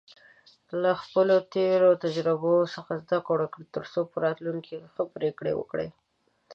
له خپلو تېرو تجربو څخه زده کړه، ترڅو په راتلونکي کې ښه پریکړې وکړې.